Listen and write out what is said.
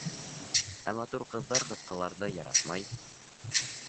Ә матур ҡыҙҙар ҡыҫҡаларҙы яратмай.